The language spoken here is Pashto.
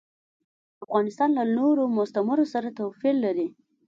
افغانستان له نورو مستعمرو سره توپیر لري.